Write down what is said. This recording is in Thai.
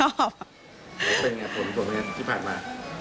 แล้วเป็นอย่างไรผลของคุณที่ผ่านมา